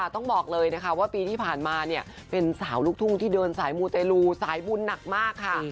ต้องบอกเลยนะคะว่าปีที่ผ่านมาเป็นสาวลูกทุ่งที่เดินสายมูเตรลูสายบุญหนักมากค่ะ